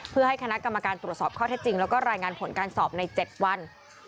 เพื่อให้คณะกรรมการตรวจสอบข้อเท็จจริงแล้วก็รายงานผลการสอบใน๗วัน